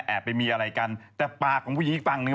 ไปมีอะไรกันแต่ปากของผู้หญิงอีกฝั่งหนึ่ง